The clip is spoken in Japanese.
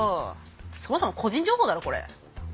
そもそも個人情報だろこれ。